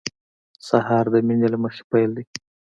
سهار د مینې له مخې پیل دی.